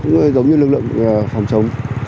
giống như lực lượng phòng chống